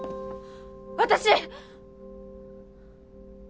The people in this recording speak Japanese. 私。